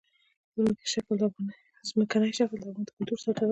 ځمکنی شکل د افغان کلتور سره تړاو لري.